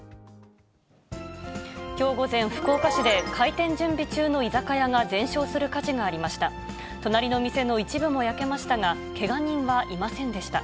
きょう午前、福岡市で開店準備中の居酒屋が全焼する火事がありました。